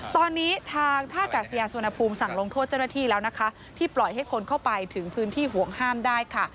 ตอนนี้ทางท่ากาศยาสุวรรณภูมิสั่งลงโทษเจ้าหน้าที่แล้วนะคะที่ปล่อยให้คนเข้าไปถึงพื้นที่ห่วงห้ามได้ค่ะ